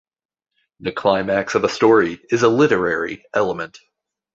The climax of a story is a literary element.